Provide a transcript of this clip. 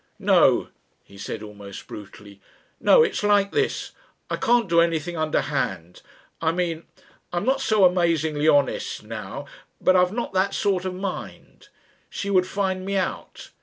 "No," he said almost brutally. "No. It's like this I can't do anything underhand. I mean I'm not so amazingly honest now. But I've not that sort of mind. She would find me out.